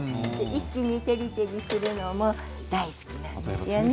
一気に照り照りするのも大好きなんですよね。